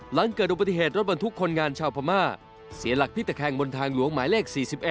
หลังเกิดอุบัติเหตุรถบรรทุกคนงานชาวพม่าเสียหลักพลิกตะแคงบนทางหลวงหมายเลข๔๑